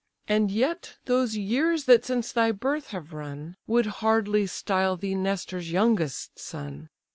And yet those years that since thy birth have run Would hardly style thee Nestor's youngest son.